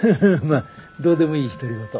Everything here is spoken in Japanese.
まあどうでもいい独り言。